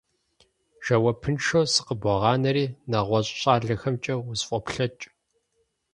Жэуапыншэу сыкъыбогъанэри, нэгъуэщӀ щӀалэхэмкӀэ усфӀоплъэкӀ.